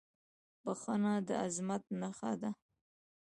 • بښنه د عظمت نښه ده.